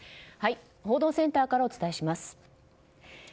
報道センターからお伝えします。